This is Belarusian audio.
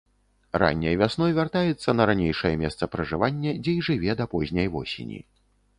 Ранняй вясной вяртаецца на ранейшае месца пражывання, дзе і жыве да позняй восені.